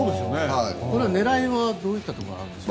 これは狙いはどういったところがあるんでしょう。